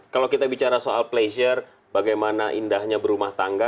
kalau kita bicara soal pleasure bagaimana indahnya berumah tangga